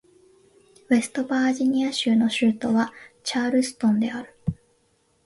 ウェストバージニア州の州都はチャールストンである